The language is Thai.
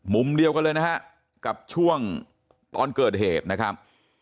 มุมเดียวกันเลยนะฮะกับช่วงตอนเกิดเหตุนะครับ